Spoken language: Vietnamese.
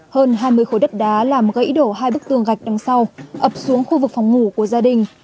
hơn hai mươi khối đất đá làm gãy đổ hai bức tường gạch đằng sau ập xuống khu vực phòng ngủ của gia đình